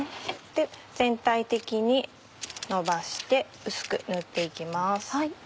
全体的にのばして薄く塗って行きます。